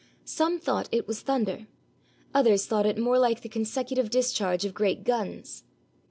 Some thought it was thunder, others thought it more like the consecutive discharge of great guns.